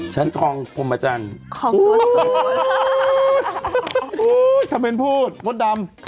ฉันคลองคมอาจารย์คลองกฎสูตรอุ้ยทำเป็นพูดมดดำ